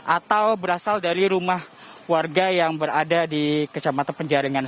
atau berasal dari rumah warga yang berada di kecamatan penjaringan